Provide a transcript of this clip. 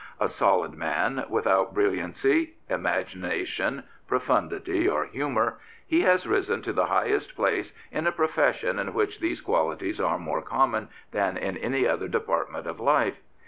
A solid man, without brilliancy, imagina 201 Prophets, Priests, and Kings tion, profundity, or humour, he has risen to the highest place in a profession in which these qualities are more common than in any other department of life.